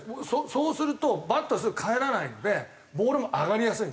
そうするとバットがすぐ返らないのでボールも上がりやすいんですよ。